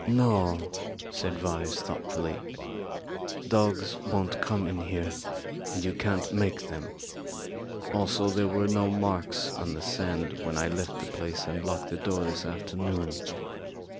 "No," said Vyse, thoughtfully. "Dogs won't come in here, and you can't make them. Also, there were no marks on the sand when I left the place and locked the door this afternoon.